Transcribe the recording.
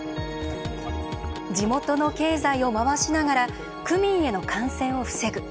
地元の経済を回しながら区民への感染を防ぐ。